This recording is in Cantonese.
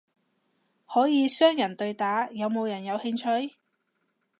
可以雙人對打，有冇人有興趣？